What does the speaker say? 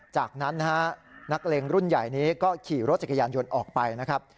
จากนั้นนะฮะนักเลงรุ่นใหญ่นี้ก็ขี่รถจักรยานยนต์ออกไปนะครับ